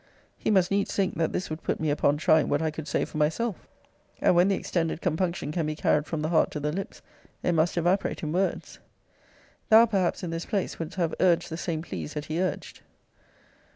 He must needs think that this would put me upon trying what I could say for myself; and when the extended compunction can be carried from the heart to the lips it must evaporate in words. Thou, perhaps, in this place, wouldst have urged the same pleas that he urged.